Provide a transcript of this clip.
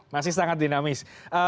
masih sangat dinamis